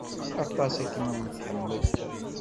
Aṭas i kem-tḥemmel.